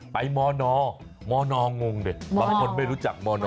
มนมนงงดิบางคนไม่รู้จักมน